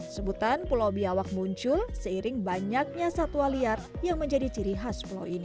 sebutan pulau biawak muncul seiring banyaknya satwa liar yang menjadi ciri khas pulau ini